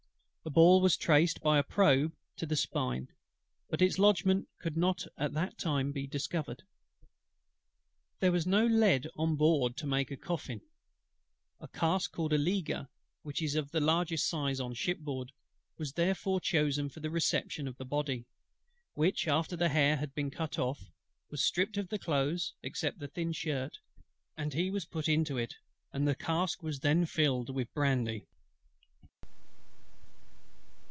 The ball was traced by a probe to the spine, but its lodgment could not at that time be discovered. There was no lead on board to make a coffin: a cask called a leaguer, which is of the largest size on shipboard, was therefore chosen for the reception of the Body; which, after the hair had been cut off, was stripped of the clothes except the shirt, and put into it, and the Cask was then filled with brandy.